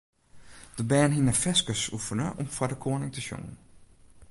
De bern hiene ferskes oefene om foar de koaning te sjongen.